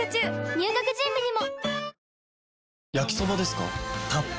入学準備にも！